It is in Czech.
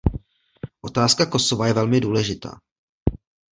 Otázka Kosova je velmi důležitá.